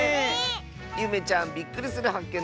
ゆめちゃんびっくりするはっけん